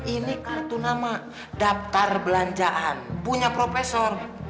ini kartu nama daftar belanjaan punya profesor